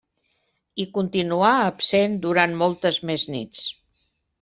I continuà absent durant moltes més nits.